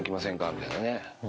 みたいなね。